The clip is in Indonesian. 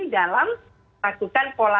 dalam melakukan pola